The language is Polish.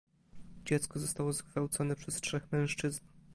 Dziecko zostało zgwałcone przez trzech mężczyzn